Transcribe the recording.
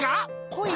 こい？